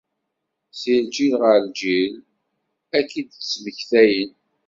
Si lǧil ɣer lǧil, ad k-id-ttmektayen.